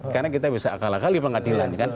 karena kita bisa akal akal di pengadilan